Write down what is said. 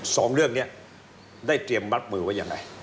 สองเรื่องนี้ได้เตรียมมัดมือไว้ยังไง